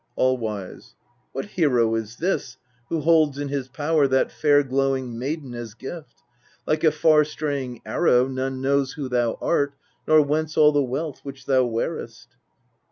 All wise. 5. What hero is this, who holds in his power that fair glowing maiden as gift ? Like a far straying arrow, none knows who thou art, nor whence all the wealth which thou wearest.